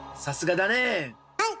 さすがだね！